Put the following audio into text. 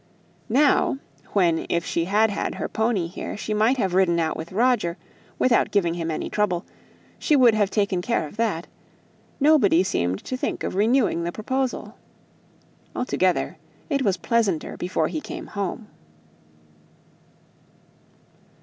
Now, when if she had had her pony here she might have ridden out with Roger, without giving him any trouble she would have taken care of that nobody seemed to think of renewing the proposal. Altogether it was pleasanter before he came home.